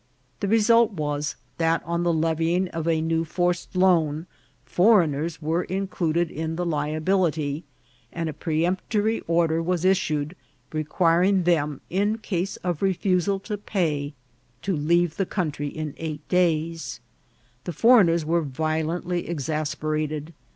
The result was, that on the levying of a new forced loan, foreign ers were included in the liability, and a peremptory or der was issued, requiring them, in case of refusal to pay, to leave the country in eight days. The foreigners were violently exasperated.